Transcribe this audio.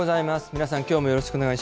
皆さん、きょうもよろしくお願い